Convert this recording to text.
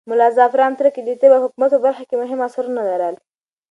ملا زعفران تره کى د طب او حکمت په برخه کې مهم اثرونه لرل.